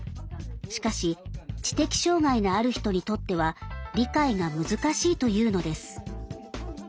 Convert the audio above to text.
しかし知的障害のある人にとっては理解が難しいというのです。